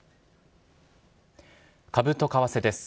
株と為替です。